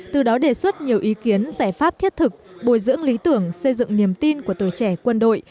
từ đó đề xuất nhiều ý kiến giải pháp thiết thực bồi dưỡng lý tưởng xây dựng niềm tin của tuổi trẻ quân đội